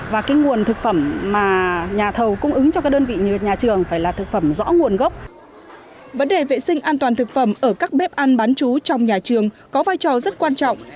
vấn đề vệ sinh an toàn thực phẩm ở các bếp ăn bán chú trong nhà trường có vai trò rất quan trọng